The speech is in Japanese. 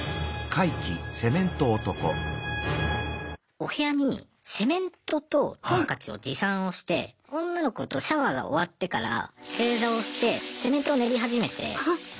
お部屋にセメントとトンカチを持参をして女の子とシャワーが終わってから正座をしてセメントを練り始めて。